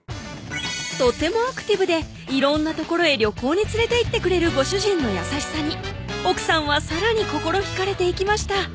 とてもアクティブで色んな所へ旅行に連れていってくれるご主人の優しさに奥さんはさらに心引かれていきました